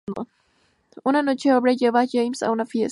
Una noche, Aubrey lleva a James a una fiesta.